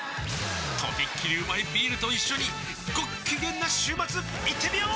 とびっきりうまいビールと一緒にごっきげんな週末いってみよー！